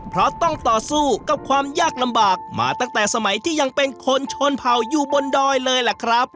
เพราะต้องต่อสู้กับความยากลำบากมาตั้งแต่สมัยที่ยังเป็นคนชนเผ่าอยู่บนดอยเลยล่ะครับ